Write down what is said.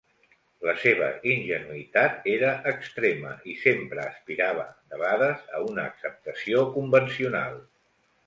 La seva ingenuïtat era extrema i sempre aspirava, debades, a una acceptació convencional.